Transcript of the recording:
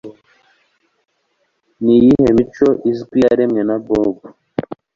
Niyihe mico izwi yaremwe na Bob ?